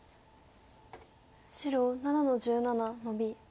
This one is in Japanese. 白７の十七ノビ。